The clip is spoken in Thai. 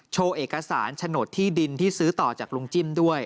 โชว์เอกสารโฉนดที่ดินที่ซื้อต่อจากลุงจิ้มด้วย